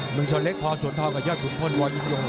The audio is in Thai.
เมืองชนเล็กพอสวนทองกับยอดขุนพลวอนยง